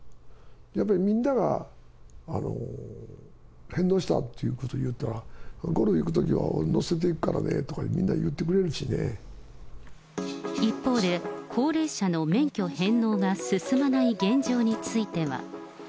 やっぱりみんなが返納したということを言うたら、ゴルフ行くときは乗せていくからねとか、一方で、高齢者の免許返納が進まない現状については。